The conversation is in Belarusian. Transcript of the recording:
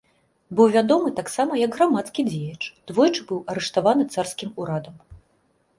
Быў вядомы таксама як грамадскі дзеяч, двойчы быў арыштаваны царскім урадам.